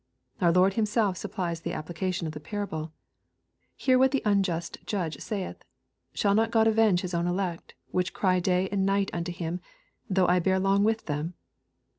— Our Lord Himself supplies the applica tion of the parable :^' Hear what the unjust judge saith Shall not God avenge His own elect, which cry day and night unto Him, though I bear long with them